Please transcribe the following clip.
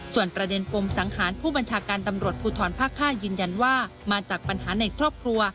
ส่วนประเด็นปมสังหารผู้บัญชาการตำรวจภูทรภาค๕ยืนยันว่ามาจากปัญหาในครอบครัว